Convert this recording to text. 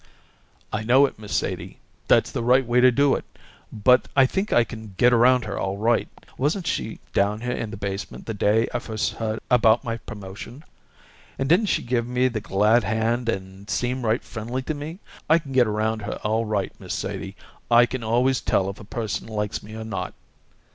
"I know it, Miss Sadie; that's the right way to do it, but I think I can get around her all right. Wasn't she down here in the basement the day I first heard about my promotion, and didn't she give me the glad hand and seem right friendly to me? I can get around her all right, Miss Sadie. I can always tell if a person likes me or not."